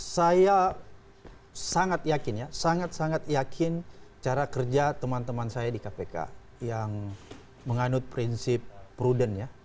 saya sangat yakin ya sangat sangat yakin cara kerja teman teman saya di kpk yang menganut prinsip prudent ya